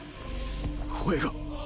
声が